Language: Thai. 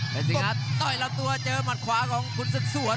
และสิงหาต้อยละตัวเจอหมัดขวาของคุณสุดส่วน